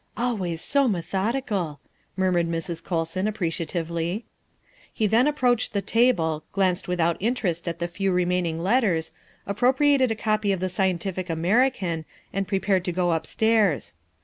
"Always so methodical," murmured Mrs. Colson ap preciatively. He then approached the table, glanced without inter est at the few remaining letters, appropriated a copy of the Scientific American, and prepared to go upstairs.